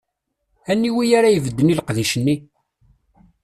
Aniwi ara ibedden i leqdic-nni?